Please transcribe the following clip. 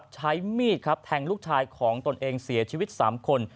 ใช้มีดครับแทงลูกชายของตนเองเสียชีวิต๓คน